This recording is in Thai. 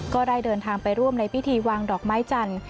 ก็ได้เดินทางไปร่วมในพิธีวางดอกไม้จันทร์